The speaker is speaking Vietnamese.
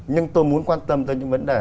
nhưng tôi muốn quan tâm tới những vấn đề